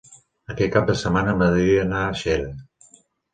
Aquest cap de setmana m'agradaria anar a Xera.